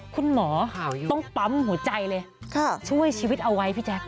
คุณหมอต้องปั๊มหัวใจเลยช่วยชีวิตเอาไว้พี่แจ๊ค